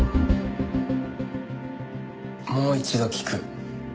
もう一度聞く。